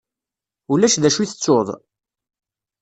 Ulac d acu i tettuḍ?